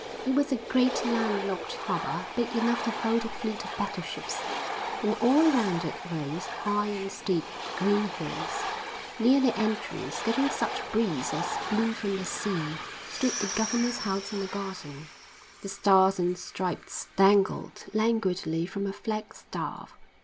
It was a great land locked harbour big enough to hold a fleet of battleships; and all around it rose, high and steep, the green hills. Near the entrance, getting such breeze as blew from the sea, stood the governor's house in a garden. The Stars and Stripes dangled languidly from a flagstaff.